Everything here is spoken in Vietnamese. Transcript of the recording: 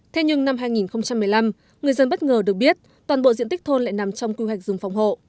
thế nhưng năm hai nghìn một mươi năm người dân bất ngờ được biết toàn bộ diện tích thôn lại nằm trong quy hoạch rừng phòng hộ